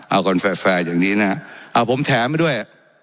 เอาก่อนแฟร์แฟร์อย่างนี้นะเอาผมแถมให้ด้วย